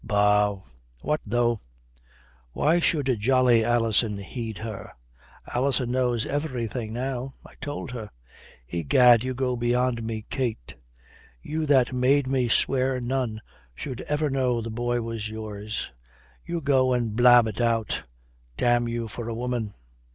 "Bah, what though? Why should jolly Alison heed her?" "Alison knows everything now. I told her." "Egad, you go beyond me, Kate. You that made me swear none should ever know the boy was yours. You go and blab it out! Damn you for a woman."